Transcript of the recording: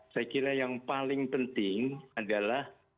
saya kira yang paling penting adalah